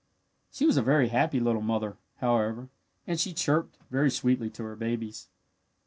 She was a very happy little mother, however, and she chirped very sweetly to her babies.